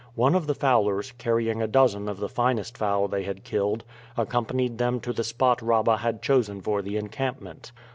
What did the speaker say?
One of the fowlers, carrying a dozen of the finest fowl they had killed, accompanied them to the spot Rabah had chosen for the encampment.